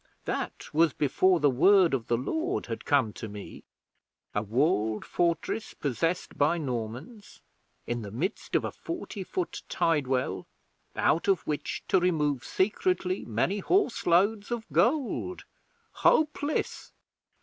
This was before the Word of the Lord had come to me. A walled fortress possessed by Normans; in the midst a forty foot tide well out of which to remove secretly many horse loads of gold! Hopeless!